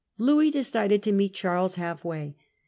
Louis decided to meet Charles half way.